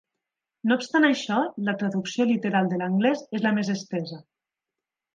No obstant això, la traducció literal de l'anglès és la més estesa.